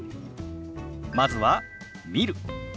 まずは「見る」。